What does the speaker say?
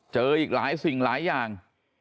อีกหลายสิ่งหลายอย่าง